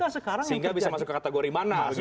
sehingga bisa masuk ke kategori mana